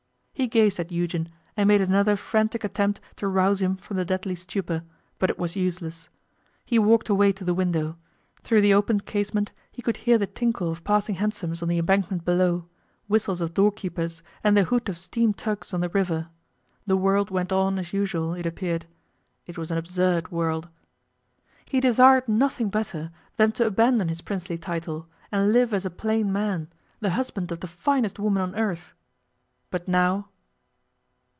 He gazed at Eugen, and made another frantic attempt to rouse him from the deadly stupor, but it was useless. He walked away to the window: through the opened casement he could hear the tinkle of passing hansoms on the Embankment below, whistles of door keepers, and the hoot of steam tugs on the river. The world went on as usual, it appeared. It was an absurd world. He desired nothing better than to abandon his princely title, and live as a plain man, the husband of the finest woman on earth.... But now!...